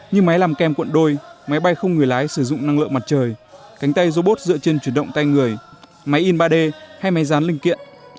như máy làm kem cuộn đôi máy bay không người lái sử dụng năng lượng mặt trời cánh tay robot dựa trên chuyển động tay người máy in ba d hay máy rán linh kiện